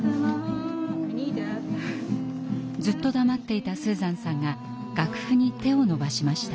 ずっと黙っていたスーザンさんが楽譜に手を伸ばしました。